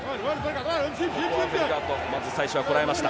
まず最初はこらえました。